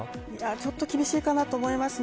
ちょっと厳しいかなと思います。